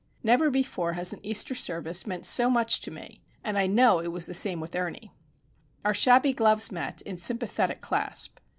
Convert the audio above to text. Never before has an Easter service meant so much to me, and I know it was the same with Ernie. Our shabby gloves met in sympathetic clasp.